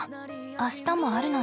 明日もあるのに。